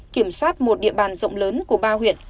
kiểm soát một địa bàn rộng lớn của ba huyện